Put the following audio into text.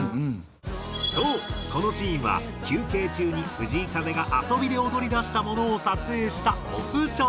そうこのシーンは休憩中に藤井風が遊びで踊りだしたものを撮影したオフショット。